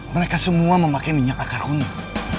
mereka semua memakai minyak akar unik